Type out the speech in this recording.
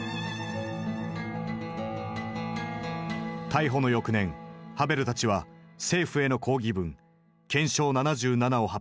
逮捕の翌年ハヴェルたちは政府への抗議文「憲章７７」を発表。